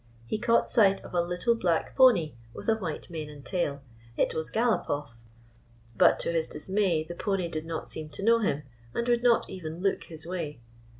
He caught sight of a little black pony with a white mane and tail. It was Galopoff. But, to his dismay, the pony did not seem to know him, and would not even look his way.